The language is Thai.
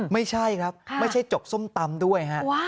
ไม่ใช่ครับไม่ใช่จกส้มตำด้วยฮะ